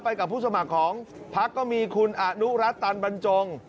กับผู้สมัครของพักก็มีคุณอนุรัติตันบรรจง